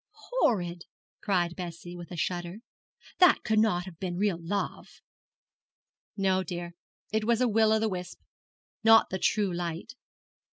'Horrid!' cried Bess, with a shudder. 'That could not have been real love.' 'No, dear, it was a will o' the wisp, not the true light.'